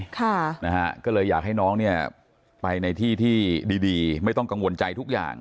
ค่ะนะฮะก็เลยอยากให้น้องเนี่ยไปในที่ที่ดีดีไม่ต้องกังวลใจทุกอย่าง